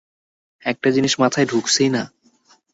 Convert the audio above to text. একটা জিনিস মাথায় ঢুকছেই না!